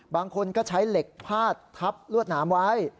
บางคนก็ใช้เหล็กพาดทับลวดหนามไว้